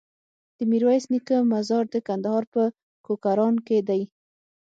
د ميرويس نيکه مزار د کندهار په کوکران کی دی